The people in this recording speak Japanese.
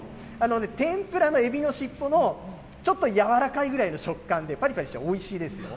天ぷらのエビの尻尾のちょっと柔らかいぐらいの食感で、ぱりぱりしておいしいですよ。